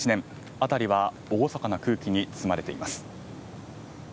辺りは厳かな空気に包まれています。